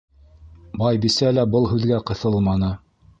Байбисә лә был һүҙгә ҡыҫылманы.